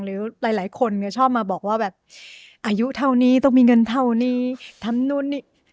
หรือหลายคนชอบมาบอกว่าแบบอายุเท่านี้ต้องมีเงินเท่านี้ทำนู่นนี่